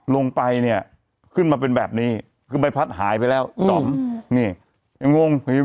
ลงไปเนี่ยขึ้นมาเป็นแบบนี้คือใบพัดหายไปแล้วต่อมนี่ยังงง